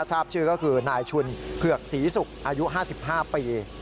ทราบชื่อก็คือนายชุนเผือกศรีศุกร์อายุ๕๕ปี